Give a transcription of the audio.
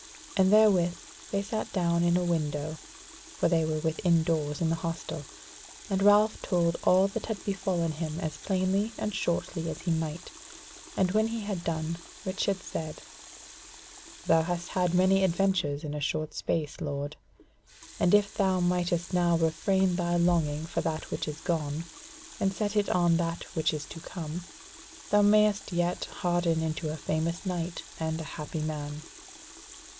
And therewith they sat down in a window, for they were within doors in the hostel, and Ralph told all that had befallen him as plainly and shortly as he might; and when he had done, Richard said: "Thou has had much adventure in a short space, lord, and if thou mightest now refrain thy longing for that which is gone, and set it on that which is to come, thou mayest yet harden into a famous knight and a happy man."